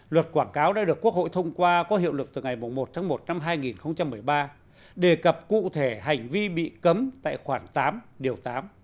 luật quảng cáo đã được quốc hội thông qua có hiệu lực từ ngày một tháng một năm hai nghìn một mươi ba đề cập cụ thể hành vi bị cấm tại khoảng tám điều tám